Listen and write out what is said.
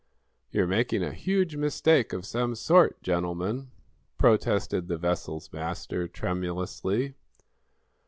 "You're making a huge mistake of some sort, gentlemen!" protested the vessel's master, tremulously.